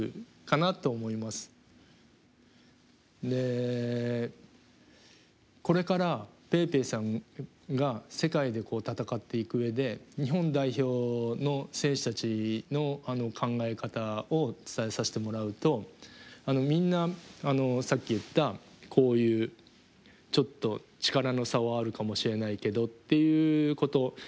でこれからぺいぺいさんが世界で戦っていく上で日本代表の選手たちの考え方を伝えさせてもらうとみんなさっき言ったこういうちょっと力の差はあるかもしれないけどっていうこと。